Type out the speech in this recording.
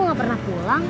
kau gak pernah pulang